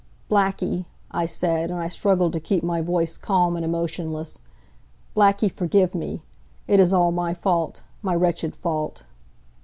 "Blackie," I said, and I struggled to keep my voice calm and emotionless, "Blackie, forgive me. It is all my fault my wretched fault."